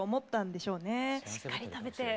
しっかり食べて。